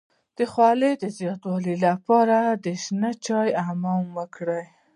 د خولې د زیاتوالي لپاره د شنه چای حمام وکړئ